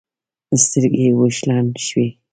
سترګې يې اوښلن شوې.